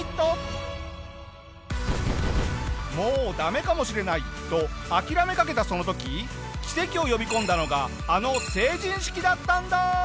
もうダメかもしれないと諦めかけたその時奇跡を呼び込んだのがあの成人式だったんだ！